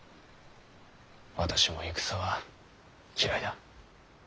私も戦は嫌いだ。